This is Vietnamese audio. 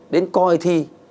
đến coi thi